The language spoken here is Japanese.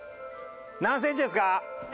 何センチですか？